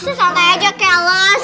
susah aja kelas